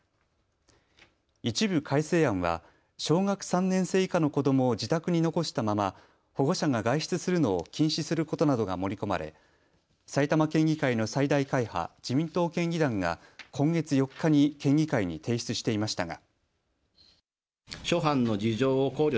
一部改正案は小学３年生以下の子どもを自宅に残したまま保護者が外出するのを禁止することなどが盛り込まれ埼玉県議会の最大会派自民党県議団が今月４日に県議会に提出していましたが。